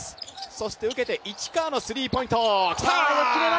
そして受けて市川のスリーポイント。